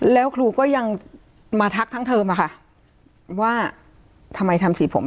แล้วครูก็ยังมาทักทั้งเทอมอะค่ะว่าทำไมทำสีผม